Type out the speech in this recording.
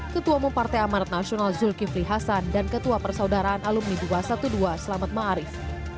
ketua mumparte amarat nasional zulkifli hasan dan ketua persaudaraan alumni dua ratus dua belas selamat ma'arif